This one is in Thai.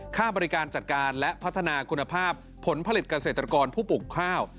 ค่าบริการจัดการและพัฒนาคุณภาพผลผลิตเกษตรกรผู้ปลูกข้าว